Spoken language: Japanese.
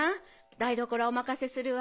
台所はお任せするわ。